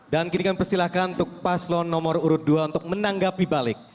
dan kirikan persilahkan untuk paslon nomor urut dua untuk menanggapi balik